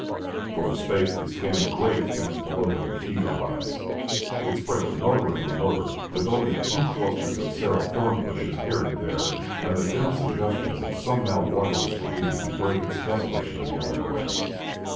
For a space they scanned the great expanse below them with eager eyes. It spread remoter and remoter, with only a few clusters of sere thorn bushes here and there, and the dim suggestions of some now waterless ravine, to break its desolation of yellow grass.